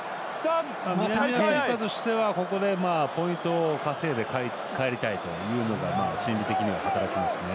南アフリカとしてはポイントを稼いで帰りたいというのが心理的には働きますね。